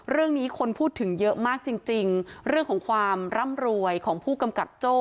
เรื่องนี้คนพูดถึงเยอะมากจริงจริงเรื่องของความร่ำรวยของผู้กำกับโจ้